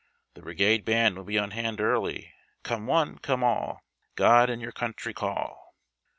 The Brigade Band will be on hand early. Coiue one, come all ! God and your Country Call